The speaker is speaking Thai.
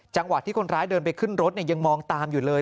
จังหวะที่คนร้ายเดินไปขึ้นรถยังมองตามอยู่เลย